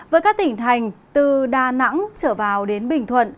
với các tỉnh thành từ đà nẵng trở vào đến bình thuận